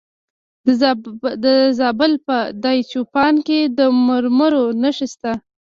د زابل په دایچوپان کې د مرمرو نښې شته.